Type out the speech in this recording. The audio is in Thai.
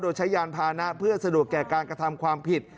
โดยใช้ยานพานะเพื่อสะดวกแก่การกระทำความผิด